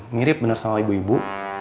mirip bener sama ibu ibu